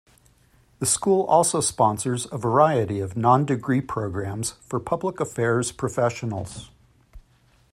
The school also sponsors a variety of non-degree programs for public affairs professionals.